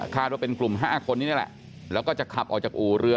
ว่าเป็นกลุ่ม๕คนนี้นี่แหละแล้วก็จะขับออกจากอู่เรือ